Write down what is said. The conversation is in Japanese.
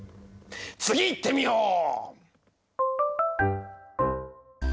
次行ってみよ！